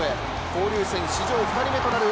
交流戦史上２人目となる